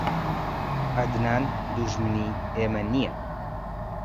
عەدنان دوژمنی ئێمە نییە.